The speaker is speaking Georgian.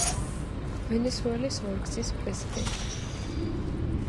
ვენესუელის ორგზის პრეზიდენტი.